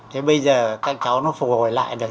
thế bây giờ các cháu nó phục hồi lại được